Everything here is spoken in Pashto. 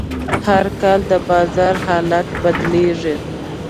هر کال د بازار حالت بدلېږي.